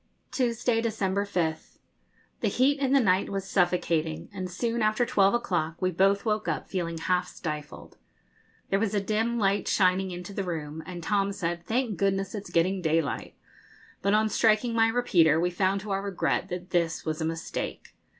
Tuesday, December 5th. The heat in the night was suffocating, and soon after twelve o'clock we both woke up, feeling half stifled. There was a dim light shining into the room, and Tom said, 'Thank goodness, it's getting daylight;' but on striking my repeater we found to our regret that this was a mistake.